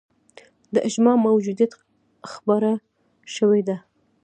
د اجماع موجودیت خبره شوې ده